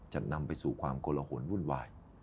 จะนำไปสู่ความกลหนวุ่นวาย